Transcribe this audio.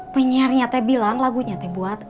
penyiar nya teh bilang lagunya teh buat er